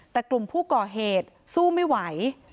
แต่กลุ่มผู้ก่อเหตุสู้ไม่ไหว